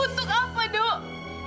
untuk apa dok